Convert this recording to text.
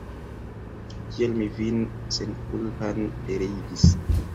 Kial mi vin senkulpan pereigis!